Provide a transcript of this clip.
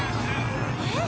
えっ？